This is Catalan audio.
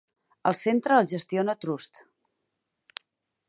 El centre el gestiona Trust.